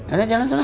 yaudah jalan sana